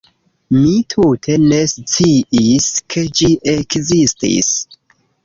Mi tute ne sciis ke ĝi ekzistis.